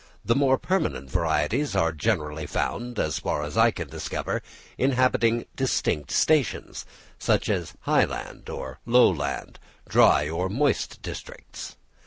the more permanent varieties are generally found, as far as I can discover, inhabiting distinct stations, such as high land or low land, dry or moist districts.